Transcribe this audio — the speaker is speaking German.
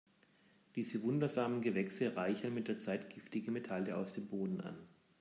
Diese wundersamen Gewächse reichern mit der Zeit giftige Metalle aus dem Boden an.